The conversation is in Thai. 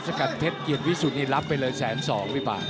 สกัดเพชรเกียรติวิสุทธิ์รับไปเลย๑๐๒บาท